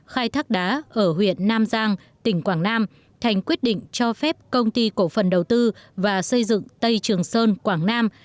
khai thác đá ở huyện nam giang tỉnh quảng nam thành quyết định cho phép công ty cổ phần đầu tư và xây dựng tây trường sơn quảng nam